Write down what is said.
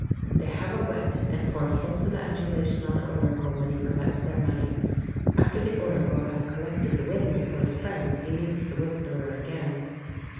They have a wet, and pour fulsome adulation on the Oracle when he collects their money. After the Oracle has collected the winnings for his friends he meets the Whisperer again.